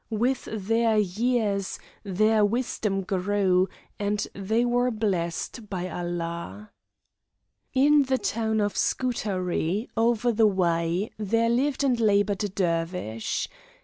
With their years, their wisdom grew, and they were blessed by Allah. In the town of Scutari, over the way, there lived and labored a Dervish.